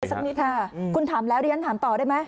สักนิดค่ะคุณถามแล้วดิฉันถามต่อได้ไหม